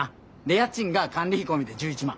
で家賃が管理費込みで１１万。